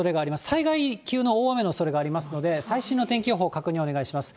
災害級の大雨のおそれがありますので、最新の天気予報を確認お願いします。